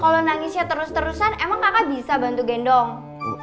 kalau nangisnya terus terusan emang kakak bisa bantu gendong